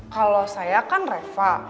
kalau saya kan reva